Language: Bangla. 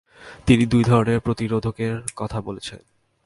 তিনি দুই ধরনের প্রতিরোধকের কথা বলেছেন।